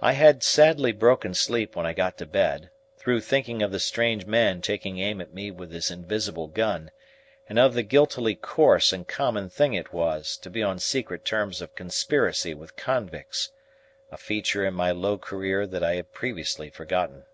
I had sadly broken sleep when I got to bed, through thinking of the strange man taking aim at me with his invisible gun, and of the guiltily coarse and common thing it was, to be on secret terms of conspiracy with convicts,—a feature in my low career that I had previously forgotten.